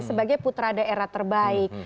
sebagai putra daerah terbaik